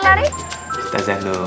kita permisi dulu ustazah ini buru buru